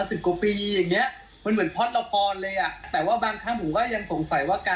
เป็นเขาเรียกว่าห่มขาวห่มขาวปฏิบัติธรรมมันก็ไม่ถึงต้องขนาดนี้